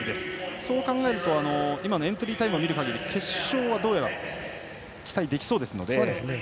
そう考えるとエントリータイムを見る限りどうやら期待できそうですので。